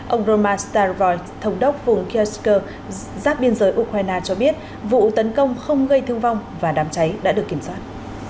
ông roman starovoy thống đốc vùng kyrgyzstan giáp biên giới ukraine cho biết vụ tấn công không gây thương vong và đám cháy đã được kiểm soát